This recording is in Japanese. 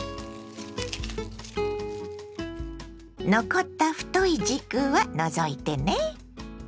残った太い軸は除いてね。